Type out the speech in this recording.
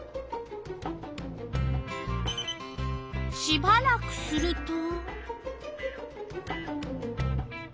しばらくすると？